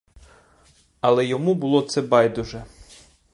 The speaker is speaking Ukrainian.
Але йому було це байдуже.